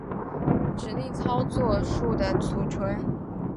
指令操作数的存储